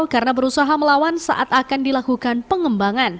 karena berusaha melawan saat akan dilakukan pengembangan